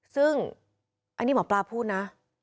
ซึ่งอันนี้หมอปลาพูดนะ